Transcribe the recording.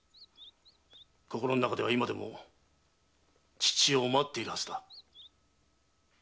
心の中では今でも父を待っているはずだ。